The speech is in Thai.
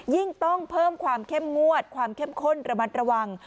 ยิ่งต้องเพิ่มความเข้มงวดความเข้มข้นระมัดระวัง